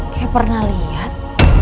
kayak pernah liat